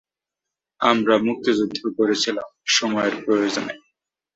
আমরা মুক্তিযুদ্ধ করেছিলাম সময়ের প্রয়োজনে।